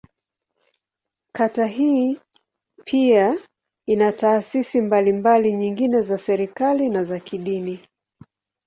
Kata hii pia ina taasisi mbalimbali nyingine za serikali, na za kidini.